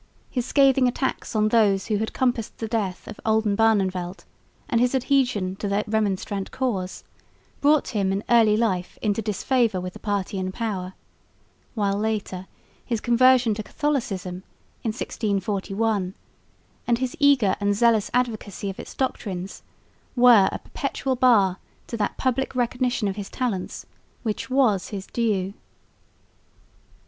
His scathing attacks on those who had compassed the death of Oldenbarneveldt, and his adhesion to the Remonstrant cause brought him in early life into disfavour with the party in power, while later his conversion to Catholicism in 1641 and his eager and zealous advocacy of its doctrines, were a perpetual bar to that public recognition of his talents which was his due.